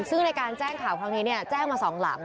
ซึ่งในการแจ้งข่าวครั้งนี้แจ้งมา๒หลัง